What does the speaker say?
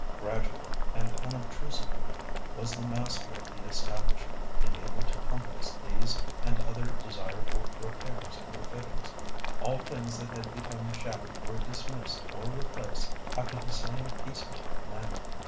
Gradually, and unobtrusively, was the master of the establishment enabled to compass these and other desirable repairs and refittings. All things that had become shabby were dismissed or replaced after the same piecemeal manner.